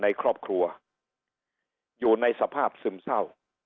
ในครอบครัวอยู่ในสภาพซึมเศร้า